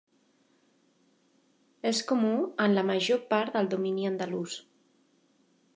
És comú en la major part del domini andalús.